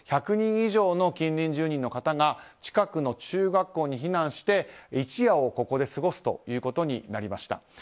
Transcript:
１００人以上の近隣住人の方が近くの中学校に避難して一夜をここで過ごすということになりました。